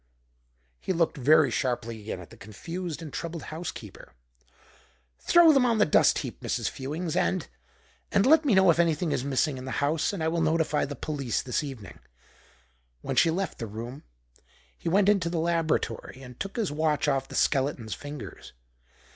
He looked very sharply again at the confused and troubled housekeeper. "Throw them on the dust heap, Mrs. Fewings, and and let me know if anything is missing in the house, and I will notify the police this evening." When she left the room he went into the laboratory and took his watch off the skeleton's fingers.